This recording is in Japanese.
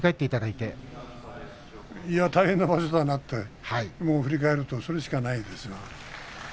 いや、大変な場所だなって振り返るとそれしかないですよ。